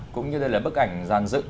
cũng như đây là bức ảnh dàn dựng